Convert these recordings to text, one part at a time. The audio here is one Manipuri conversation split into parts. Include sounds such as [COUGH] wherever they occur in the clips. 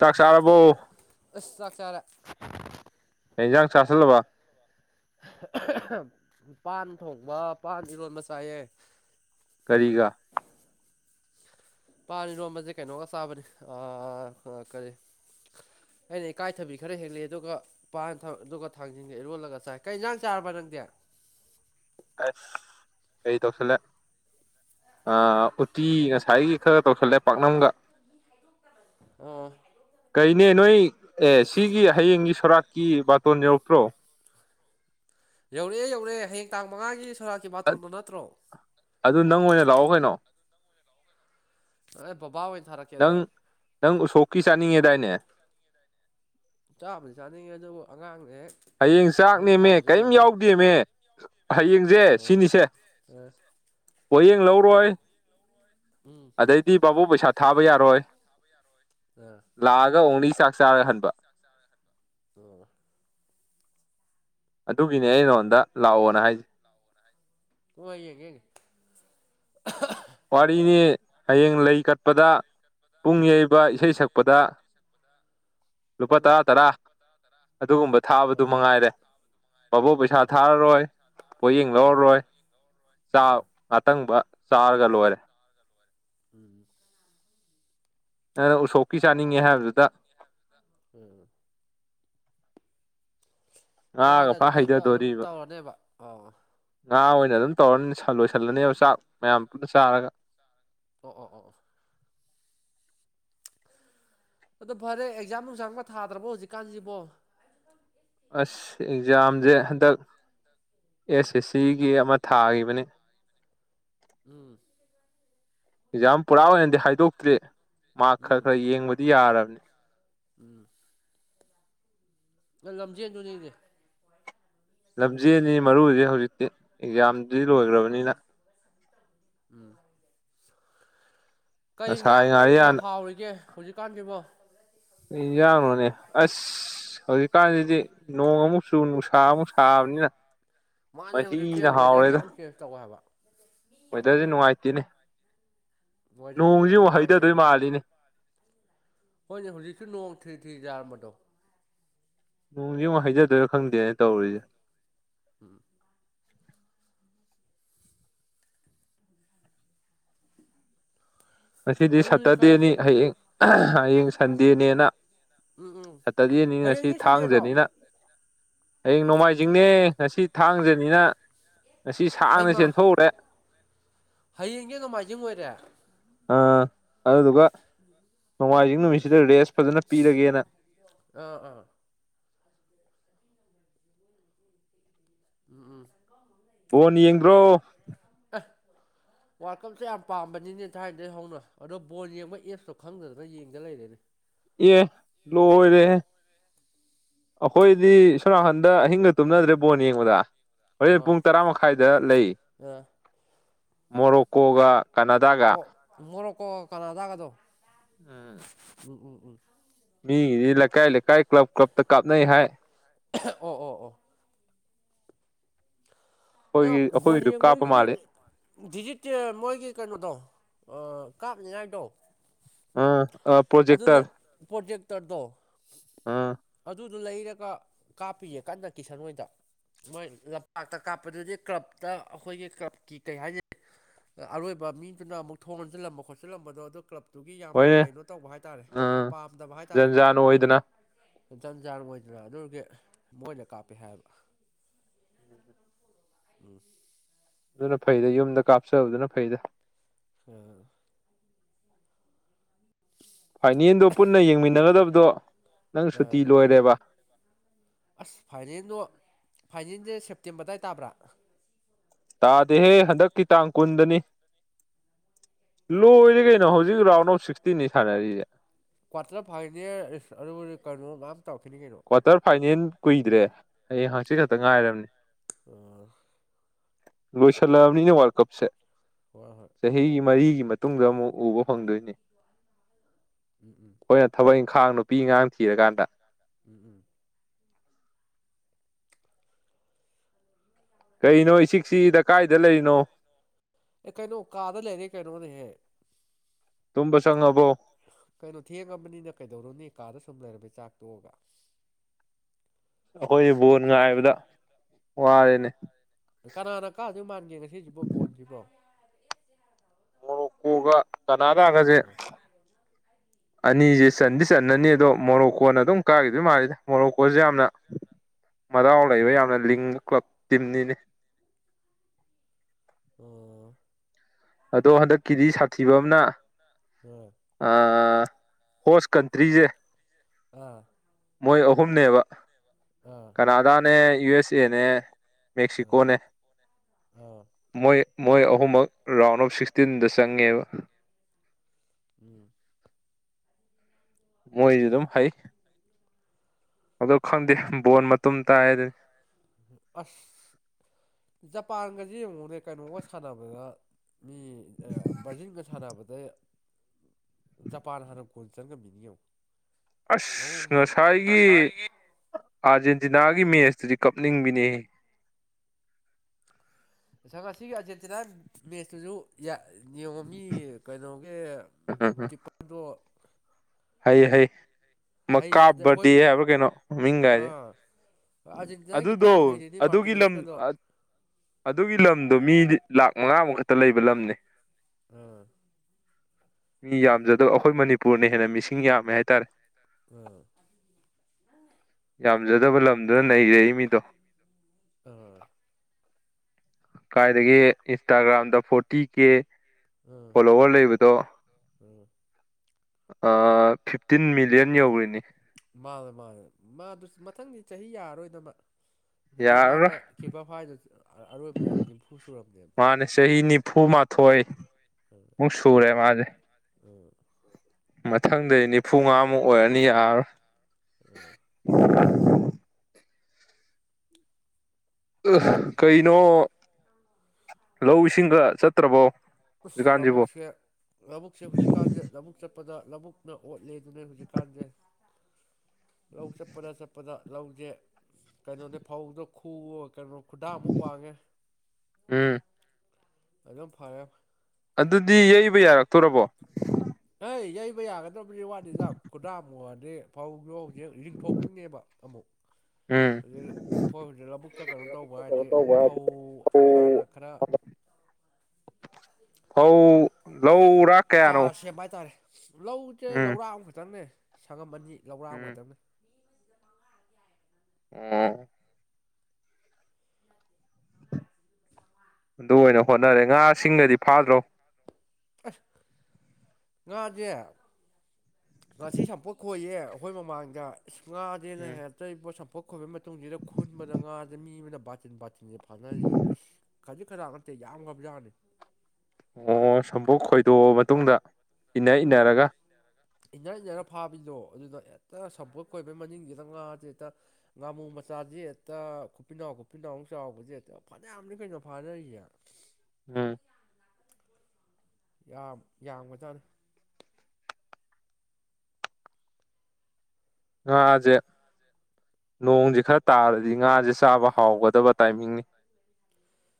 ꯇꯥꯛ ꯆꯥꯔꯕꯨꯣ ꯆꯥꯛ ꯆꯥꯔꯦ ꯏꯟꯖꯥꯡ ꯆꯥꯁꯜꯂꯕ ꯄꯥꯟ ꯊꯣꯡꯕ ꯄꯥꯟ ꯏꯔꯣꯟꯕ ꯆꯥꯏꯌꯦ ꯀꯔꯤꯒ ꯄꯥꯅꯤ ꯔꯣꯝꯕꯦ ꯀꯩꯅꯩꯅꯣꯒ ꯁꯥꯕꯅꯤ ꯑ ꯀꯔ ꯑꯩꯅ ꯏꯀꯥꯏꯊꯕꯤ ꯈꯔ ꯍꯦꯜꯂꯛꯑꯦ ꯑꯗꯨꯒ ꯑꯗꯨꯒ ꯊꯥꯡꯖꯟꯒ ꯏꯔꯣꯜꯂꯒ ꯆꯥꯏ ꯀꯩ ꯌꯦꯟꯖꯥꯡ ꯆꯥꯔꯕ ꯅꯪꯗꯤꯦ ꯎ ꯑ ꯑꯩ ꯇꯧꯁꯜꯦ ꯎꯇꯤ ꯉꯁꯥꯏꯒꯤ ꯈꯔ ꯇꯧꯁꯜꯂꯦ ꯄꯥꯛꯅꯝꯒ ꯑꯣ ꯅꯦ ꯅꯣꯏ ꯑꯦ ꯁꯤꯒꯤ ꯍꯌꯦꯡꯒꯤ ꯁꯣꯔꯥꯛꯀꯤ ꯕꯥꯇꯣꯟ ꯌꯧꯔꯛꯇ꯭ꯔꯣ ꯌꯧꯔꯛꯑꯦ ꯌꯧꯔꯛꯑꯦ ꯍꯌꯦꯡ ꯇꯥꯡ ꯃꯉꯥꯒꯤ ꯁꯣꯔꯥꯠꯀꯤ ꯕꯥꯇꯣꯟꯗꯣ ꯅꯠꯇ꯭ꯔꯣ ꯑꯗꯨ ꯅꯪ ꯑꯣꯏꯅ ꯂꯥꯛꯑꯣ ꯀꯩꯅꯣ ꯑ ꯄꯕꯥ ꯅꯪ ꯅꯪ ꯎꯁꯣꯛꯀꯤ ꯆꯥꯅꯤꯡꯉꯦꯗꯥꯏꯅꯦ ꯆꯥꯕꯗꯤ ꯆꯥꯅꯤꯡꯉꯦ ꯑꯗꯨꯕꯨ ꯑꯉꯥꯡ ꯍꯌꯦꯡ ꯆꯥꯛꯅꯦꯃꯦ ꯀꯔꯤꯝ ꯌꯥꯎꯗꯦꯃꯦ ꯍꯌꯦꯡꯁꯦ ꯑꯣ ꯁꯤꯅꯤꯁꯦ ꯑ ꯍꯌꯦꯡ ꯂꯧꯔꯣꯏ ꯎꯝ ꯑꯗꯩꯗꯤ ꯕꯥꯥꯕꯨ ꯄꯩꯁꯥ ꯊꯥꯕ ꯌꯥꯔꯣꯏ ꯑ ꯂꯥꯛꯑꯒ ꯑꯣꯡꯂꯤ ꯆꯥꯛ ꯆꯥꯔꯍꯟꯕ ꯑꯣ ꯑꯗꯨꯒꯤꯅꯦ ꯑꯣ ꯑꯩ ꯅꯉꯣꯟꯗ ꯂꯥꯛꯑꯣꯅ ꯍꯥꯏꯁ ꯑꯣ ꯑꯏꯌꯦꯒꯦꯅꯤ ꯋꯥꯔꯤꯅꯤ ꯍꯌꯦꯡ ꯂꯩ ꯀꯠꯄꯗ ꯄꯨꯡ ꯌꯩꯕ ꯎꯝ ꯏꯁꯩ ꯎꯝ ꯁꯛꯄꯗ ꯂꯨꯄꯥ ꯍꯣꯏ ꯃꯦ ꯇꯔꯥ ꯇꯔꯥ ꯑꯗꯨꯒꯨꯝꯕ ꯊꯥꯕꯗꯨ ꯑꯥ ꯃꯉꯥꯏꯔꯦ ꯥꯕꯣꯛ ꯍꯣꯏ ꯄꯩꯁꯥ ꯍꯣꯏ ꯊꯥꯔꯔꯣꯏ ꯄꯣꯌꯦꯡ ꯑꯥ ꯂꯧꯔꯔꯣꯏ ꯑꯥ ꯑꯇꯪꯕ ꯆꯥꯔꯒ ꯂꯣꯏꯔꯦ ꯎꯝ ꯅꯪꯅ ꯎꯁꯣꯛꯀꯤ ꯆꯥꯅꯤꯡꯉꯦ ꯍꯥꯏꯕꯗꯨꯗ ꯎꯝ ꯉꯥꯗ ꯉꯥꯒ ꯐꯥ ꯑꯗꯨꯝ ꯑꯌꯨꯛꯇ ꯑꯗꯨꯝ ꯍꯩꯊꯗꯣꯔꯤꯕ ꯇꯧꯔꯅꯦꯕ ꯑꯣ ꯉꯥ ꯑꯣꯏꯅ ꯑꯗꯨꯝ ꯇꯧꯔꯅꯤ ꯂꯣꯏꯁꯤꯜꯂꯅꯦꯕ ꯆꯥꯛ ꯃꯌꯥꯝ ꯄꯨꯟꯅ ꯆꯥꯔꯒ ꯑꯣ ꯑꯣ ꯑꯣ ꯑꯣ ꯐꯔꯦ ꯑꯦꯛꯖꯥꯝ ꯅꯨꯡꯁꯥꯝꯒ ꯊꯥꯗ꯭ꯔꯕꯣ ꯍꯧꯖꯤꯛꯀꯥꯟꯁꯤꯕꯣ ꯑꯁ ꯑꯦꯛꯖꯥꯝꯁꯦ ꯍꯟꯗꯛ ꯑꯦ ꯑꯦ ꯁꯤꯒꯤ ꯑꯃ ꯊꯥꯈꯤꯕꯅꯤ ꯎꯝ ꯑꯦꯛꯖꯥꯝ ꯄꯨꯔꯥ ꯑꯣꯏꯅꯗꯤ ꯍꯥꯏꯗꯣꯛꯇ꯭ꯔꯤ ꯃꯥꯔꯛ ꯈꯔ ꯈꯔ ꯌꯦꯡꯕꯗꯤ ꯌꯥꯔꯕꯅꯤ ꯎꯝ ꯅ ꯂꯝꯖꯦꯟꯗꯨꯅꯤꯅꯦꯦ ꯂꯝꯖꯦꯜꯅꯤ ꯃꯔꯨꯗꯤ ꯍꯧꯖꯤꯛꯇꯤ ꯑꯦꯛꯖꯥꯝꯗꯤ ꯂꯣꯏꯈ꯭ꯔꯕꯅꯤꯅ ꯎꯝ ꯀꯩ ꯉꯁꯥꯏ ꯌꯦꯟꯁꯥꯡꯅ ꯉꯥꯔꯤꯌꯥꯟ ꯍꯥꯎꯔꯤꯒꯦ ꯍꯧꯖꯤꯛꯀꯥꯟꯁꯤꯕꯣ ꯌꯥꯅꯣꯅꯦ ꯑꯁ ꯍꯧꯖꯤꯛꯀꯥꯟꯁꯤꯗꯤ ꯅꯣꯡ ꯑꯃꯨꯛ ꯆꯨ ꯅꯨꯡꯁꯥ ꯑꯃꯨꯛ ꯁꯥꯕꯅꯦ ꯑ ꯃꯥꯅꯦ ꯍꯧꯖꯤꯛꯁꯦ ꯋꯦꯗꯔꯁꯦ ꯌꯥꯝ ꯆꯦꯟꯖ ꯇꯧꯋꯦ ꯍꯥꯏꯕ ꯋꯦꯗꯔꯁ ꯅꯨꯡꯉꯥꯏꯇꯦꯅꯦ ꯋꯦꯗꯔꯁꯤꯅ ꯅꯣꯡꯁꯤ ꯌꯥꯝ ꯑꯃꯨꯛ ꯅꯨꯡꯉꯥꯏꯇꯦ ꯍꯩꯊꯗꯣꯏ ꯍꯧꯖꯤꯛꯀꯥꯟꯁꯦ ꯃꯥꯜꯂꯤꯅꯤ ꯍꯣꯏꯅꯦ ꯍꯧꯖꯤꯛꯁꯨ ꯅꯣꯡ ꯊꯤꯔꯤ ꯊꯤꯔꯤ ꯌꯥꯔꯝꯕꯗꯣ ꯅꯣꯡꯗꯤ ꯑꯃꯨꯛ ꯍꯩꯖꯗꯣꯏꯔꯥ ꯈꯪꯗꯦꯅ ꯇꯧꯔꯤꯁꯦ ꯎꯝ ꯉꯗꯤ ꯑꯗꯨꯅꯤ ꯈꯔ ꯁꯇꯔꯗꯦꯅꯤ ꯍꯌꯦꯡ ꯍꯌꯦꯡ ꯁꯟꯗꯦꯅꯦꯅ ꯎꯝ ꯎꯝ ꯁꯠꯇ ꯌꯦꯅꯤ ꯉꯁꯤ ꯍꯌꯦꯡꯗꯤ ꯁꯟꯗꯦꯔꯣ ꯊꯥꯡꯖꯅꯤꯅ ꯍꯌꯦꯡ ꯅꯣꯡꯃꯥꯏꯖꯤꯡꯅꯦ ꯉꯁꯤ ꯊꯥꯡꯖꯅꯤꯅ ꯉꯁꯤ ꯁꯥꯡꯅ ꯆꯦꯟꯊꯣꯛꯎꯔꯦ ꯍꯌꯦꯡꯒꯤ ꯅꯣꯡꯃꯥꯏꯖꯤꯡ ꯑꯣꯏꯔꯦ ꯑꯥ ꯑꯗꯨꯗꯨꯒ ꯅꯣꯡꯃꯥꯏꯖꯤꯡ ꯅꯨꯃꯤꯠꯁꯤꯗ ꯔꯦꯁ ꯐꯖꯅ ꯄꯤꯔꯒꯦꯅ ꯑ ꯑꯥ ꯎꯝ ꯎꯝ ꯑꯣ ꯌꯦꯡꯕ꯭ꯔꯣ ꯑ ꯋꯥꯔꯜ ꯀꯞꯁꯦ ꯌꯥꯝ ꯄꯥꯝꯕꯅꯤꯅꯦ ꯊꯥꯏꯅꯗꯒꯤ ꯍꯧꯅ ꯑꯗꯣ ꯕꯣꯜ ꯌꯦꯡꯕ ꯑꯦꯞꯁꯇꯣ ꯈꯪꯗꯗꯅ ꯌꯦꯡꯗ ꯂꯩꯔꯦꯅꯦ ꯑꯦ ꯂꯣꯏꯔꯦ ꯑꯩꯈꯣꯏꯗꯤ ꯁꯣꯝꯅꯥꯀꯟꯗ ꯑꯥ ꯑꯍꯤꯡꯒ ꯇꯨꯝꯅꯗ꯭ꯔꯦ ꯕꯣꯣꯟ ꯌꯦꯡꯕꯗ ꯍꯣꯔꯦꯟ ꯑꯥ ꯄꯨꯡ ꯇꯔꯥ ꯃꯈꯥꯏꯗ ꯂꯩ [INAUDIBLE] ꯃꯣꯔꯣꯛꯀꯣꯒ ꯑꯣ ꯃꯣꯔꯣꯛꯀꯣ ꯀꯅꯥꯗꯥꯒꯗꯣ ꯎꯝ ꯎꯝ ꯎꯝ ꯎꯝ ꯃꯤꯒꯤꯗꯤ ꯂꯩꯀꯥꯏ ꯂꯩꯀꯥꯏ ꯀ꯭ꯂꯕ ꯀ꯭ꯂꯞꯇ ꯀꯥꯞꯅꯩ ꯍꯥꯏ ꯑꯣ ꯑꯣ ꯑꯣ ꯑ ꯑꯩꯈꯣꯏꯒꯤ ꯕꯣꯟ ꯑꯩꯈꯣꯏꯒꯤꯁꯨ ꯀꯥꯞꯄ ꯌꯦꯡꯕꯣꯏꯒꯤꯗꯤ ꯃꯥꯜꯂꯤ ꯤꯖꯤꯠ ꯃꯣꯏꯒꯤ ꯀꯩꯅꯣꯗꯣ ꯑ ꯀꯥꯞꯅꯤꯡꯉꯥꯏꯗꯣ ꯑ ꯄ꯭ꯔꯣꯖꯦꯛꯛꯇꯛꯇꯔ ꯗꯣ ꯑꯗꯨ ꯑꯗꯨ ꯂꯩꯔꯒ ꯀꯥꯞꯄꯤꯌꯦ ꯀꯟꯅ ꯀꯤꯁꯟ ꯍꯣꯏꯗ ꯃꯣꯏ ꯂꯝꯄꯥꯛꯇ ꯀꯥꯞ ꯑꯗꯨꯗꯤ ꯀ꯭ꯂꯞꯇ ꯑꯩꯈꯣꯏꯒꯤ ꯀ꯭ꯂꯕꯀꯤ ꯀꯩ ꯍꯥꯏꯅꯦ ꯑꯔꯣꯏꯕ ꯃꯤꯗꯨꯅ ꯑꯃꯨꯛ ꯊꯣꯡ ꯍꯟꯁꯤꯜꯂꯝꯕ ꯈꯣꯠꯆꯜꯂꯝꯕꯗꯣ ꯑꯗꯨꯣ ꯀ꯭ꯂꯞ ꯑꯗꯨꯒꯤ ꯌꯥꯝꯅ ꯍꯣꯏꯅꯦ ꯀꯩꯅꯣ ꯇꯧꯕ ꯍꯥꯏꯇꯥꯔꯦ ꯌꯥꯝ ꯑꯥ ꯄꯥꯝꯗꯕ ꯍꯥꯏ ꯇꯔꯦ ꯖꯟꯖꯥꯟ ꯑꯣꯏꯗꯅ ꯏꯖꯟꯖꯥꯡ ꯑꯣꯏꯗꯅ ꯑꯗꯨꯒꯤ ꯃꯣꯏꯗ ꯀꯥꯞꯄꯦ ꯍꯥꯏꯕ ꯎꯝ ꯑꯗꯨꯅ ꯐꯩꯗ ꯌꯨꯝꯗ ꯀꯥꯞꯆꯕꯗꯨꯅ ꯐꯩꯗ ꯎꯝ ꯐꯥꯏꯅꯦꯜꯗꯣ ꯄꯨꯟꯅ ꯌꯦꯡꯃꯤꯟꯅꯒꯗꯕꯗꯣ ꯅꯪ ꯁꯨꯇꯤ ꯂꯣꯏꯔꯦꯕ ꯑꯁ ꯐꯥꯏꯅꯜꯗꯣ ꯐꯥꯏꯅꯜꯁꯦ ꯁꯦꯞꯇꯦꯝꯕꯔꯗꯥꯏ ꯇꯥꯕ꯭ꯔꯥ ꯇꯥꯗꯦꯍꯦ ꯍꯟꯗꯛꯀꯤ ꯇꯥꯡ ꯀꯨꯟꯗꯅꯤ ꯂꯣꯏꯔꯤ ꯀꯩꯅꯣ ꯍꯧꯖꯤꯛ ꯔꯥꯎꯟ ꯑꯣꯐ ꯁꯤꯛꯁꯇꯤꯅꯤ ꯁꯥꯟꯅꯔꯤꯁꯦ ꯀ꯭ꯋꯥꯔꯇꯔ ꯐꯥꯏꯅꯦꯜ ꯑꯗꯨ ꯀꯩꯅꯣ ꯇꯧꯔꯛꯈꯤꯅꯤ ꯀꯩꯅꯣ ꯀ꯭ꯋꯥꯇꯔ ꯐꯥꯏꯅꯦꯜ ꯀꯨꯏꯗ꯭ꯔꯦ ꯍꯌꯦꯡ ꯍꯛꯆꯤ ꯈꯛꯇ ꯉꯥꯏꯔꯕꯅꯤ ꯑꯣ ꯂꯣꯏꯁꯤꯜꯂꯛꯑꯕꯅꯤꯅ ꯋꯥꯔꯜ ꯀꯞꯁꯦ ꯍꯣꯏ ꯍꯣꯏ ꯆꯍꯤꯒꯤ ꯃꯔꯤꯒꯤ ꯃꯇꯨꯡꯗ ꯑꯃꯨꯛ ꯎꯕ ꯐꯪꯗꯣꯏꯅꯤ ꯍꯣꯏ ꯊꯕꯛ ꯈꯥꯡ ꯅꯨꯄꯤ ꯑꯉꯥꯡ ꯊꯤꯔꯀꯥꯟꯗ ꯎꯝ ꯀꯩ ꯅꯣ ꯁꯤꯤꯛꯁꯤ ꯑꯦ ꯀꯩꯅꯩꯅꯣ ꯀꯥꯗ ꯂꯩꯔꯤ ꯀꯩꯅꯣꯅꯦ ꯇꯨꯝꯕ ꯆꯪꯉꯕꯣ ꯀꯩꯅꯩꯅ ꯊꯌꯦ ꯀꯄꯅꯤ ꯅ ꯀꯩꯗꯧꯔꯣ ꯅ ꯀꯀꯥꯗ ꯁꯨꯝ ꯂꯩꯔꯝꯃꯦ ꯆꯥꯛꯇꯣꯛꯑꯒ ꯑꯩꯈꯣꯏꯁ ꯕꯣꯟ ꯉꯥꯏꯕꯗ ꯋꯥꯔꯦꯅꯦ ꯀꯅꯥꯅ ꯀꯥꯗꯣꯏ ꯃꯥꯟꯒꯦꯅ ꯁꯤꯁꯤꯕꯥꯎ ꯕꯣꯣꯟꯁꯤꯕꯣ ꯃꯣꯔꯣꯛ ꯀꯨꯒ ꯀꯅꯥ ꯇꯥꯒꯁꯦ ꯑꯅꯤꯁꯦ ꯆꯟꯗꯤ ꯆꯟꯅꯅꯤ ꯑꯗꯣ ꯃꯣꯔꯣꯛꯀꯣꯟꯅ ꯑꯗꯨꯝ ꯀꯥꯈꯤꯗꯣꯏ ꯃꯥꯜꯂꯤꯗ ꯃꯣꯔꯣꯛꯀꯣꯟꯁꯦ ꯌꯥꯝꯅ ꯃꯎ ꯂꯩꯕ ꯌꯥꯝꯅ ꯂꯤꯡꯕ ꯀ꯭ꯂꯕ ꯇꯤꯝꯅꯤꯅꯦ ꯎꯝ ꯑꯗꯣ ꯍꯟꯗꯛꯀꯤꯗꯤ ꯁꯥꯊꯤꯕ ꯑꯃꯅ ꯑꯥ ꯑ ꯍꯣꯁ ꯀꯟꯇ꯭ꯔꯤꯁꯦ ꯑꯥ ꯃꯣꯏ ꯑꯍꯨꯝꯅꯦꯕ ꯑꯥ ꯀꯅꯥꯗꯥꯅꯦ ꯌꯨ ꯑꯦꯁ ꯑꯦꯅꯦ ꯑꯥ ꯃꯦꯛꯁꯤꯀꯣꯅꯦ ꯑꯥ ꯃꯣꯏ ꯃꯣꯏ ꯑꯍꯨꯝꯃꯛ ꯔꯥꯎꯟ ꯑꯣꯐ ꯁꯤꯛꯁꯇꯤꯟꯗ ꯆꯪꯉꯦꯕ ꯎꯝ ꯃꯣꯏꯁꯨ ꯑꯗꯨꯝ ꯐꯩ ꯑ ꯈꯪꯗꯦ ꯕꯣꯟ ꯃꯇꯨꯝ ꯇꯥꯏ ꯑꯗꯨꯅꯤ ꯑꯁ ꯖꯄꯥꯟꯒꯁꯦ ꯌꯦꯡꯉꯣꯅꯦ ꯀꯩꯅꯣꯒ ꯁꯥꯟꯅꯕꯗ ꯃꯤ ꯕꯥꯔꯖꯤꯟꯒ ꯁꯥꯟꯅꯕꯗ ꯖꯄꯥꯟ ꯍꯥꯟꯅ ꯀꯣꯟ ꯆꯪꯉꯝ ꯃꯤꯅꯤ ꯌꯦꯨ ꯑꯁ ꯉꯁꯥꯏꯒꯤ ꯑꯥꯔꯖꯦꯟꯇꯤꯅꯥꯒꯤ ꯃꯦꯁꯇꯨꯗꯤ ꯀꯞꯅꯤꯡꯕꯅꯤ ꯁꯤꯒꯤ ꯑꯆꯠꯁꯤꯅ ꯃꯦꯁꯇꯨꯁꯨ ꯌꯦꯡꯉꯣꯝꯃꯤ ꯀꯩꯅꯣꯒꯤ ꯎꯝ ꯀꯤꯞꯄꯔꯗꯣ ꯍꯩ ꯍꯩ ꯍꯩ ꯑꯗꯩ ꯑꯩꯈꯣꯏ ꯀꯥꯞꯄꯗꯤ ꯍꯥꯏꯕ ꯀꯩꯅꯣ ꯃꯃꯤꯡ ꯀꯥꯏꯁꯦ ꯑꯥ ꯑꯥꯔꯖꯦꯟꯇꯤꯅꯥꯒꯤ ꯑꯗꯨꯗꯣ ꯀꯤꯞꯄꯔꯁꯨ ꯍꯩꯔꯤꯅꯤ ꯑꯗꯨꯒꯤ ꯂꯝ ꯃꯥꯔꯇꯤꯅꯤꯁꯀꯗꯣ ꯑꯗꯨꯒꯤ ꯂꯝ ꯑꯗꯣ ꯃꯤꯗꯤ ꯂꯥꯛ ꯃꯉꯥꯃꯨꯛ ꯈꯛꯇ ꯂꯩꯕ ꯂꯝꯅꯦ ꯎꯝ ꯃꯤ ꯌꯥꯝꯖꯗꯕ ꯑꯩꯈꯣꯏ ꯃꯅꯤꯄꯨꯔꯅ ꯍꯦꯟꯅ ꯃꯤꯁꯤꯡ ꯌꯥꯝꯃꯦ ꯍꯥꯏꯇꯥꯔꯦ ꯎꯝ ꯌꯥꯝꯖꯗꯕ ꯂꯝꯗꯨꯅ ꯅꯩꯔꯦꯏ ꯃꯤꯗꯣ ꯑꯥ ꯀꯥꯏꯗꯒꯤ ꯏꯟꯁꯇꯥꯒ꯭ꯔꯥꯝꯗ ꯐꯣꯔꯇꯤ ꯀꯦ ꯐꯣꯂꯣꯋꯔ ꯂꯩꯕꯗꯣ ꯎꯝ ꯐꯤꯐꯇꯤꯟ ꯃꯤꯂꯤꯌꯟ ꯌꯧꯔꯤꯅꯤ ꯃꯥꯅꯦ ꯃꯥꯅꯦ ꯃꯥꯗꯨꯁꯨ ꯃꯊꯪꯗꯤ ꯆꯍꯤ ꯌꯥꯔꯣꯏꯗꯕ ꯍꯧꯖꯤꯛ ꯃꯥꯅ ꯌꯥꯔꯔꯣꯏ ꯀ꯭ꯄꯔ ꯐꯥꯏꯔꯗꯨ ꯑꯔꯣꯏꯕꯅꯦ ꯅꯤꯝꯐꯨ ꯁꯨꯔꯕꯅꯦꯕ ꯍꯣꯏ ꯑꯥ ꯑꯃꯨꯛ ꯁꯨꯔꯦ ꯃꯥꯁꯦ ꯑꯥ ꯃꯊꯪꯗꯩ ꯅꯤꯐꯨꯃꯉꯥꯃꯨꯛ ꯑꯣꯏꯔꯅꯤ ꯌꯥꯔꯣꯏ ꯎꯝ ꯀꯩꯅꯣ ꯂꯧ ꯏꯁꯤꯡꯒ ꯆꯠꯇ꯭ꯔꯕꯣ ꯏꯁꯁ ꯍꯧꯖꯤꯛꯀꯥꯟꯁꯤꯕꯣ ꯂꯧꯕꯨꯛꯁꯦ ꯂꯧꯕꯨꯛꯁꯦ ꯍꯧꯖꯤꯛꯀꯥꯟꯁꯦ ꯂꯧꯕꯨꯛ ꯆꯠ ꯆꯠꯄꯗ ꯂꯧꯕꯨꯛꯅ ꯑꯣꯠꯂꯦ ꯑꯗꯨꯅꯦ ꯍꯧꯖꯤꯛꯀꯥꯟꯁꯦ ꯂꯧ ꯆꯠꯄꯗ ꯆꯠꯄꯗ ꯂꯧꯁꯦ ꯀꯩꯅꯣꯅꯦ ꯐꯧꯗꯣ ꯈꯨꯣ ꯀꯩꯅꯣ ꯈꯨꯗꯥ ꯑꯃꯨꯛ ꯋꯥꯡꯉꯦ ꯎꯝ ꯑꯗꯨꯝ ꯐꯔꯦ ꯑꯗꯨꯗꯤ ꯌꯩꯕ ꯌꯥꯔꯛꯇꯣꯔꯕꯣ ꯑꯩ ꯌꯩꯕ ꯌꯥꯒꯗ꯭ꯔꯕꯅꯤ ꯋꯥꯠꯅꯤꯖ ꯈꯨꯗꯥꯨꯗꯤ ꯐꯧ ꯌꯧ ꯂꯤꯡꯊꯣꯛꯇ꯭ꯔꯤꯅꯦꯕ ꯑꯃꯨꯛ ꯎꯝ ꯍꯧꯖꯤꯛ ꯍꯣꯏ ꯍꯧꯖꯤꯛ ꯂꯧꯕꯨꯛꯇ ꯀꯩꯅꯣ ꯇꯧꯕ ꯀꯩꯅꯣ ꯍꯥꯏꯗꯤ ꯇꯧꯕ ꯐꯧ ꯍꯥꯟꯅ ꯈꯔ [INAUDIBLE] ꯍꯧ ꯂꯧ ꯆꯥꯔ ꯁꯦꯝꯕ ꯍꯥꯏꯇꯥꯔꯦ ꯂꯧꯁꯦ ꯎꯝ ꯂꯧꯔꯥꯛ ꯑꯃꯈꯛꯇꯪꯅꯦ ꯁꯪꯉꯝꯕꯅꯤ ꯂꯧꯔꯥꯛ ꯎꯝ ꯃꯇꯝꯅꯤꯅꯤ ꯎꯝ ꯑꯗꯨ ꯑꯣꯏꯅ ꯍꯣꯠꯅꯔꯦ ꯉꯥꯁꯤꯡꯒꯗꯤ ꯐꯥꯗ꯭ꯔꯣ ꯑ ꯉꯥꯁꯦ ꯉꯥꯁꯤ ꯁꯝꯄꯣꯛ ꯈꯣꯏꯌꯦ ꯑꯩꯈꯣꯏ ꯃꯃꯥꯡꯗ ꯏꯁ ꯉꯥꯥꯁꯦꯅ ꯎꯝ ꯍꯛꯇ ꯄꯣꯠ ꯁꯝꯄꯣꯠ ꯈꯣꯏꯕꯒꯤ ꯃꯇꯨꯡꯁꯤꯗ ꯈꯨꯟꯕꯗ ꯉꯥꯁꯦ ꯃꯤ ꯑꯃꯅ ꯕꯥꯇꯤꯟ ꯕꯥꯇꯤꯟ ꯁꯤ ꯐꯥꯅꯔꯤꯁꯦ ꯏꯁ ꯈꯖꯤꯛ ꯈꯔ ꯅꯠꯇꯦ ꯌꯥꯝ ꯀꯞꯖꯥꯅꯤ ꯑꯣ ꯁꯝꯝꯕꯨ ꯈꯣꯏꯗꯣꯛꯑ ꯃꯇꯨꯡꯗ ꯏꯟꯅ ꯎꯝ ꯏꯟꯅꯔꯒ ꯏꯟꯅꯔ ꯏꯟꯅꯔ ꯐꯥꯕꯤꯗꯣ ꯑꯗꯨꯗ ꯍꯦꯛꯇ ꯁꯝꯄꯠ ꯀꯣꯏꯕꯩ ꯃꯅꯤꯡꯁꯤꯗ ꯉꯥꯥꯁꯦ ꯍꯦꯛꯇ ꯉꯥꯃꯨ ꯃꯆꯥ ꯆꯖꯦ ꯍꯦꯛꯇ ꯈꯨꯄꯤꯅꯥꯎ ꯈꯨꯄꯤꯅꯥꯎ ꯆꯥꯎꯕꯁꯦ ꯍꯦ ꯐꯅꯌꯥꯝꯅꯦ ꯀꯩꯅꯣ ꯐꯥꯅꯔꯤꯁꯦ ꯎꯝ ꯌꯥꯝ ꯌꯥꯝꯕꯖꯥꯠꯅꯦ ꯉꯥꯖꯦ ꯅꯣꯡꯁꯦ ꯈꯔ ꯇꯥꯔꯗꯤ ꯉꯥꯁꯦ ꯆꯥꯕ ꯍꯥꯎꯒꯗꯕ ꯇꯥꯏꯃꯤꯡꯅꯤ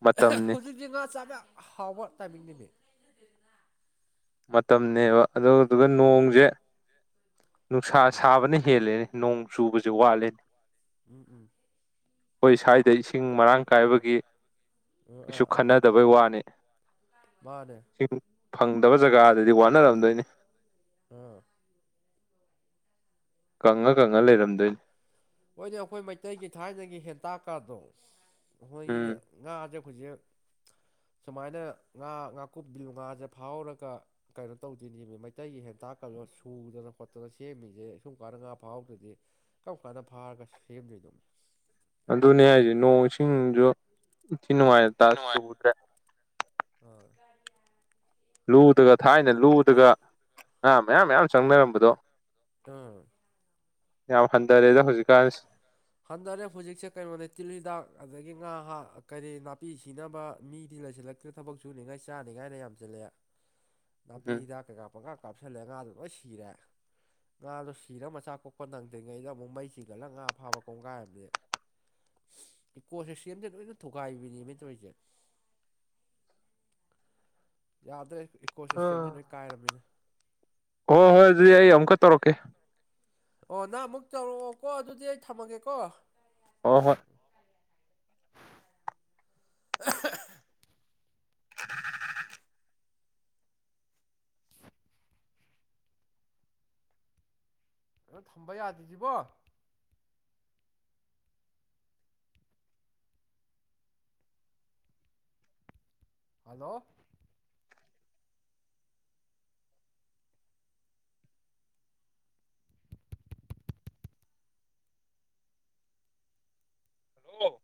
ꯃꯇꯝꯅꯤ ꯍꯧꯖꯤꯛꯁ ꯉꯥ ꯆꯥꯕ ꯍꯥꯎꯕ ꯇꯥꯏꯃꯤꯡ ꯅꯨꯃꯤꯠ ꯃꯇꯝꯅꯦꯕ ꯑꯗꯨꯗꯨꯒ ꯅꯣꯡꯁꯦ ꯅꯨꯡꯁꯥ ꯎꯝ ꯁꯥꯕꯅ ꯍꯦꯜꯂꯦ ꯅꯣꯡ ꯆꯨꯕꯁꯦ ꯋꯥꯠꯂꯦꯅꯤ ꯎꯝ ꯎꯝ ꯑꯩꯈꯣꯏ ꯁ꯭ꯋꯥꯏꯗ ꯏꯁꯤꯡ ꯃꯔꯥꯡ ꯎꯝ ꯀꯥꯏꯕꯒꯤ ꯎꯝ ꯀꯩꯁꯨ ꯑꯥ ꯑꯥ ꯈꯟꯅꯗꯕꯩ ꯋꯥꯅꯤ ꯃꯥꯅꯦ ꯏꯁꯤꯡ ꯐꯪꯗꯕ ꯖꯒꯥꯗꯗꯤ ꯎꯝ ꯋꯥꯅꯔꯝꯗꯣꯏꯅꯤ ꯑꯥ ꯀꯪꯉ ꯀꯪꯉ ꯂꯩꯔꯝꯗꯣꯏꯅꯤ ꯍꯣꯏꯅꯦ ꯑꯩꯈꯣꯏ ꯃꯩꯇꯩꯒꯤ ꯊꯥꯏꯅꯒꯤ ꯍꯦꯟꯇꯥꯛꯀꯗꯣ ꯑꯩꯈꯣꯏꯒꯤ ꯎꯝ ꯉꯥꯁꯦ ꯍꯧꯖꯦꯛ ꯁꯨꯃꯥꯏꯅ ꯉꯥ ꯉꯥꯀꯨꯞ ꯕꯤꯂꯨ ꯉꯥꯁꯦ ꯐꯥꯎꯔꯒ ꯀꯩꯅꯣ ꯇꯧꯗꯣꯏꯅꯦꯃꯤ ꯃꯩꯇꯩꯒꯤ ꯍꯦꯟ ꯇꯥꯛꯀꯜꯂꯒ ꯁꯨꯗꯅ ꯈꯣꯠꯇꯅ ꯁꯦꯝꯃꯤꯁꯦ ꯁꯨꯝ ꯀꯥꯟꯅ ꯉꯥ ꯐꯥꯎꯗ꯭ꯔꯗꯤ ꯀꯅ ꯐꯥꯔꯒ ꯁꯦꯝꯗꯣꯏꯗꯧꯅꯦ ꯑꯗꯨꯅꯦ ꯍꯥꯏꯁꯦ ꯅꯣꯡ ꯏꯁꯤꯡꯁꯨ ꯏꯊꯤ ꯅꯨꯡꯉꯥꯏ ꯆꯨꯗ꯭ꯔꯦ ꯑꯣ ꯂꯨꯗꯒ ꯊꯥꯏꯅ ꯂꯨꯗꯒ ꯑ ꯃꯌꯥꯝ ꯃꯌꯥꯝ ꯆꯪꯅꯔꯝꯕꯗꯣ ꯑꯥ ꯌꯥꯝ ꯍꯟꯊꯔꯦꯗ ꯍꯧꯖꯤꯛꯀꯥꯟꯁ ꯍꯟꯊꯔꯦ ꯍꯧꯖꯤꯛꯁꯦ ꯀꯩꯅꯣꯅꯦ ꯇꯤꯜ ꯍꯤꯗꯥꯛ ꯑꯗꯒꯤ ꯉꯥ ꯀꯔꯤ ꯅꯥꯄꯤ ꯁꯤꯅꯕ ꯃꯤ ꯂꯩꯁꯤꯜꯂꯛꯇ꯭ꯔꯅ ꯊꯕꯛ ꯁꯨꯅꯤꯉꯥꯏ ꯆꯥꯅꯤꯡꯉꯥꯏꯅ ꯌꯥꯝꯁꯤꯜꯂꯛꯑꯦ ꯅꯥꯄꯤ ꯍꯤꯗꯥꯛ ꯀꯩꯀꯥ ꯄꯪꯀꯥ ꯀꯥꯞꯁꯤꯜꯂꯦ ꯉꯥꯗꯨꯣ ꯂꯣꯏ ꯁꯤꯔꯦ ꯉꯥꯗꯣ ꯁꯤꯔ ꯃꯆꯥ ꯀꯣꯛꯄ ꯅꯪꯗ꯭ꯔꯤꯉꯩꯗ ꯑꯃꯨꯛ ꯃꯩ ꯆꯤꯒꯠꯂꯒ ꯉꯥ ꯐꯥꯕ ꯀꯣꯡꯒꯥꯏꯝꯅꯦ ꯏꯀꯣ ꯁꯤꯁꯇꯦꯝꯁꯦ ꯂꯣꯏꯅ ꯊꯨꯒꯥꯏꯕꯤꯅꯦ ꯃꯤ ꯇꯧꯔꯤꯁꯦ ꯌꯥꯗ꯭ꯔꯦ ꯏꯀꯣ ꯁꯤꯁꯇꯦꯝꯁꯤꯦ ꯅꯣꯏ ꯀꯥꯏꯔꯕꯅꯤꯅ ꯍ ꯍꯣꯏ ꯍꯧꯖꯤ ꯑꯩ ꯑꯝꯀ ꯇꯧꯔꯣ ꯀꯦ ꯑꯣ ꯅꯪ ꯑꯃꯨꯛ ꯆꯥꯎꯧꯔꯛꯑꯣꯀꯣ ꯑꯗꯨꯗꯤ ꯑꯩ ꯊꯝꯃꯒꯦꯀꯣ ꯑꯣ ꯍꯣꯏ ꯑ ꯀꯔ ꯀ ꯀꯔ ꯑꯗꯨꯗꯣ ꯊꯝꯕ ꯌꯥꯗ꯭ꯕꯣ ꯍꯜꯂꯣ ꯍꯜꯂꯣ